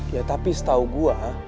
ya tapi setau gua